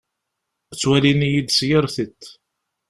Ttwalin-iyi-d s yir tiṭ.